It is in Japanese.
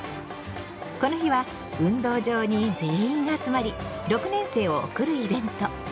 この日は運動場に全員が集まり６年生を送るイベント。